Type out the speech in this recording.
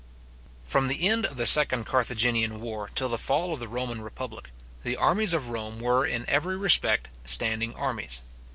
From the end of the second Carthaginian war till the fall of the Roman republic, the armies of Rome were in every respect standing armies.